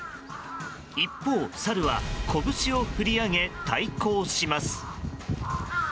一方、サルは拳を振り上げ対抗します。